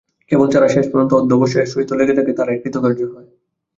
কেবল যারা শেষ পর্যন্ত অধ্যবসায়ের সহিত লেগে থাকে, তারাই কৃতকার্য হয়।